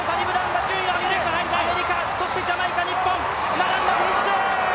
並んだフィニッシュ！